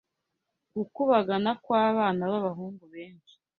gukubagana kw’abana b’abahungu benshi